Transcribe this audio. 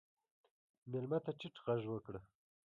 مېلمه ته ټیټ غږ وکړه.